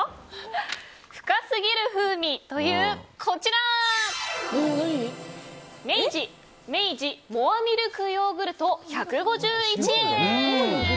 深すぎる風味という、明治の明治ｍｏｒｅミルクヨーグルト１５１円！